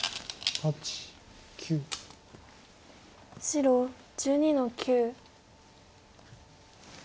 白１２の九。